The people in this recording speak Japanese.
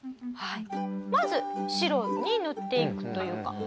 まず白に塗っていくというか。